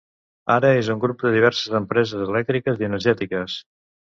Ara és un grup de diverses empreses elèctriques i energètiques.